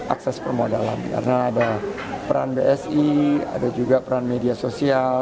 akses permodalan karena ada peran bsi ada juga peran media sosial